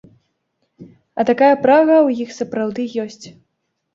А такая прага ў іх сапраўды ёсць!